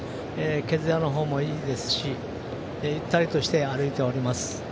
毛づやのほうもいいですしゆったりとして歩いております。